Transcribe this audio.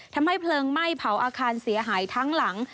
ทำให้เพลิงไหม้เผาอาคารเสียหายทั้งหลัง